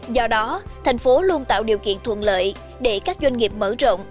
do đó thành phố luôn tạo điều kiện thuận lợi để các doanh nghiệp mở rộng